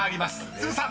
都留さん］